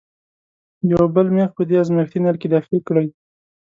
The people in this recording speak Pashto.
یو بل میخ په دې ازمیښتي نل کې داخل کړئ.